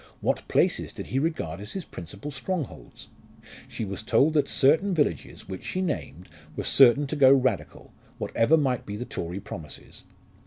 What places did he regard as his principal strongholds? She was told that certain villages, which she named, were certain to go Radical, whatever might be the Tory promises.